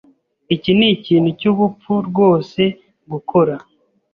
Iki nikintu cyubupfu rwose gukora.